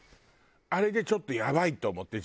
あれでちょっとやばいと思って？